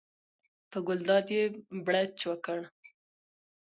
په ګلداد یې بړچ وکړ.